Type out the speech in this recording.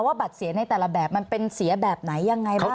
ว่าบัตรเสียในแต่ละแบบมันเป็นเสียแบบไหนยังไงบ้าง